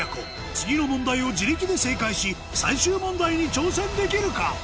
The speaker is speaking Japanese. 次の問題を自力で正解し最終問題に挑戦できるか？